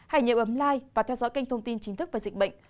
hãy nhớ ấm like và theo dõi kênh thông tin chính thức về dịch bệnh